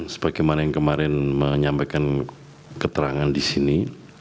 sebagaimana yang kemarin menyampaikan keterangan di sini